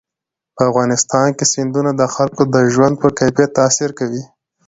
په افغانستان کې سیندونه د خلکو د ژوند په کیفیت تاثیر کوي.